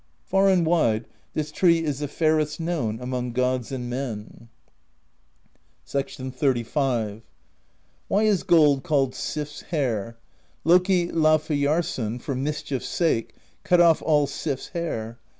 Far and wide, this tree is the fairest known among gods and men. XXXV. "Why is gold called SiPs Hair? Loki Laufeyar son, for mischiefs sake, cut off all SiPs hair.